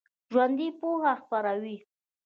ژوندي پوهه خپروي